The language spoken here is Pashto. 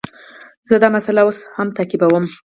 زه دا مسئله اوس هم تعقیبوم.